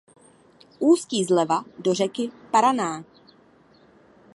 Ústí zleva do řeky Paraná.